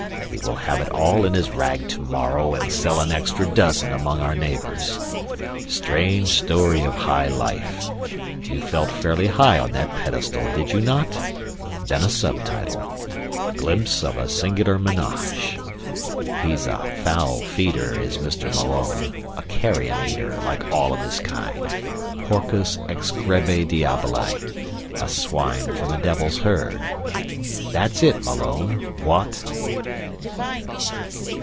He will have it all in his rag to morrow, and sell an extra dozen among our neighbors. 'Strange story of high life' you felt fairly high on that pedestal, did you not? Then a sub title, 'Glimpse of a singular menage.' He's a foul feeder, is Mr. Malone, a carrion eater, like all of his kind porcus ex grege diaboli a swine from the devil's herd. That's it, Malone what?"